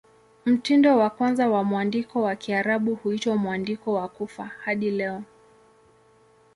Mtindo wa kwanza wa mwandiko wa Kiarabu huitwa "Mwandiko wa Kufa" hadi leo.